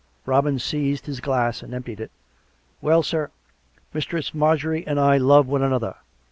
Robin seized his glass and emptied it. " Well, sir. Mistress Marjorie and I love one another.